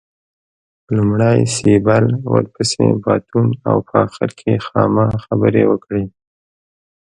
لومړی سېبل ورپسې باتون او په اخر کې خاما خبرې وکړې.